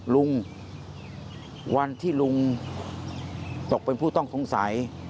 ลุงวันที่ลุงตกเป็นผู้ต้องสงสัย